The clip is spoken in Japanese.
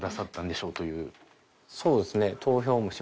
そうですね。えっ？